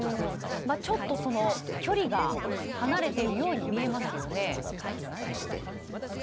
ちょっと距離が離れているように見えますよね。